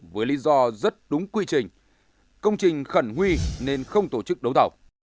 với lý do rất đúng quy trình công trình khẩn huy nên không tổ chức đấu thầu